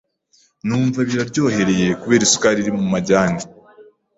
numva biraryohereye kubera isukari iri mu majyane.